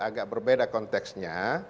agak berbeda konteksnya